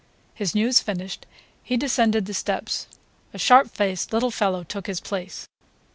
His news finished, he descended the steps. A sharp faced little fellow took his place.